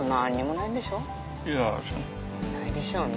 ないでしょうね。